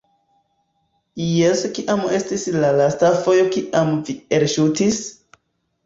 - Jes kiam estis la lasta fojo kiam vi elŝutis?